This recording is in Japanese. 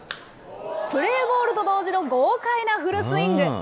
プレーボールと同時の豪快なフルスイング。